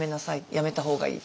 やめた方がいい。